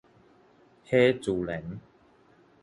彼自然